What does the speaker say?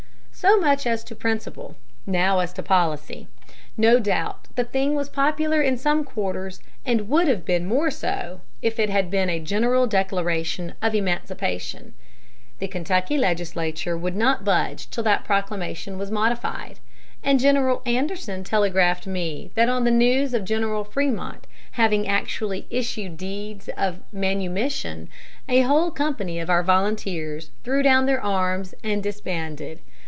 "So much as to principle. Now as to policy. No doubt the thing was popular in some quarters, and would have been more so if it had been a general declaration of emancipation. The Kentucky legislature would not budge till that proclamation was modified; and General Anderson telegraphed me that on the news of General Frémont having actually issued deeds of manumission, a whole company of our volunteers threw down their arms and disbanded.